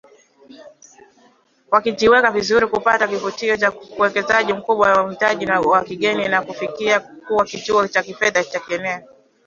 wakijiweka vizuri kupata kivutio cha uwekezaji mkubwa wa mtaji wa kigeni na kufikia kuwa kituo cha fedha cha kieneo